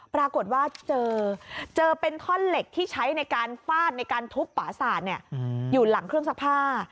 ปรากฏว่าเจอเป็นท่อนเหล็กที่ใช้ในการฟาดในการทุบป่าศาสตร์อยู่หลังเครื่องซักผ้า